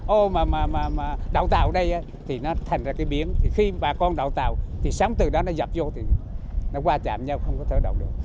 ô mà đạo tạo ở đây thì nó thành ra cái biển khi bà con đạo tạo thì sáng từ đó nó dập vô thì nó qua chạm nhau không có thể đọc được